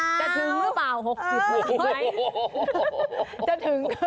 จะถึงหรือเปล่า๖๐ประธานาธุ์